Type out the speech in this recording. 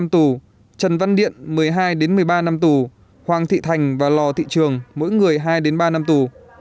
trần văn điện một mươi hai một mươi ba năm tù hoàng thị thành và lò thị trường mỗi người hai ba năm tù